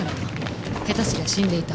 下手すりゃ死んでいた。